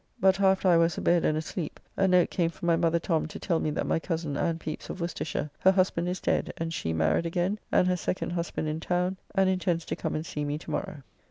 But after I was a bed and asleep, a note came from my brother Tom to tell me that my cozen Anne Pepys, of Worcestershire, her husband is dead, and she married again, and her second husband in town, and intends to come and see me to morrow.